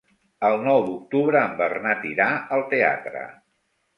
El nou d'octubre en Bernat irà al teatre.